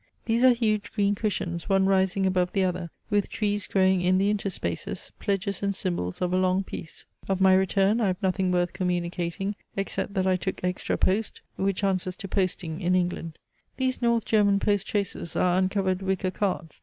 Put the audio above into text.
These are huge green cushions, one rising above the other, with trees growing in the interspaces, pledges and symbols of a long peace. Of my return I have nothing worth communicating, except that I took extra post, which answers to posting in England. These north German post chaises are uncovered wicker carts.